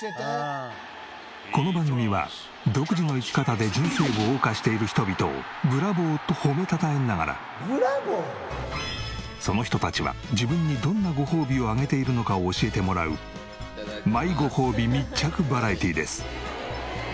この番組は独自の生き方で人生を謳歌している人々を「ブラボー」と褒めたたえながらその人たちは自分にどんなごほうびをあげているのかを教えてもらうマイごほうび密着バラエティです。